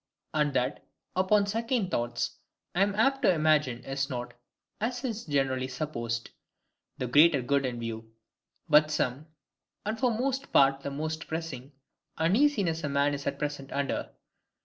And that, upon second thoughts, I am apt to imagine is not, as is generally supposed, the greater good in view; but some (and for the most part the most pressing) UNEASINESS a man is at present under.